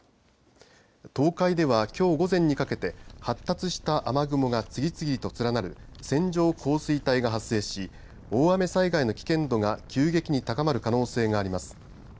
東海では、きょう午前にかけて発達した雨雲が次々と連なる線状降水帯が発生し大雨災害の危険度が急激に高まる可能性があります。